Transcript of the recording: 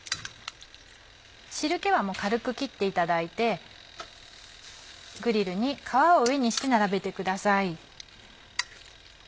汁気は軽く切っていただいてグリルに皮を上にして並べてください。